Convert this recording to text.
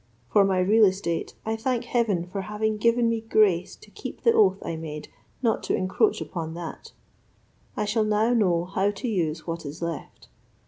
For my real estate, I thank heaven for having given me grace to keep the oath I made not to encroach upon that. I shall now know how to use what is left.